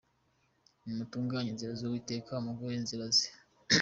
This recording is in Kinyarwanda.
Nimutunganye inzira y’Uwiteka, Mugorore inzira ze